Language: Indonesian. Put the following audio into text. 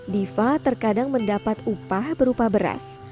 diva terkadang mendapat upah berupa beras